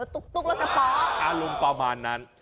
รถตุ๊กรถกระเพาะอารมณ์ประมาณนั้น